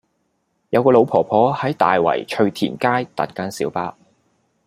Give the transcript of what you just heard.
有個老婆婆喺大圍翠田街等緊小巴